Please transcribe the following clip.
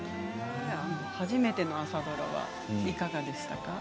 初めての朝ドラはいかがでしたか？